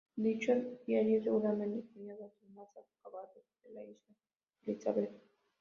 Dicho diario seguramente tenía datos más acabados de la Isla Elizabeth.